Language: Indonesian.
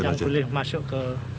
yang boleh masuk ke